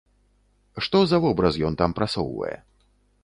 Што за вобраз ён там прасоўвае?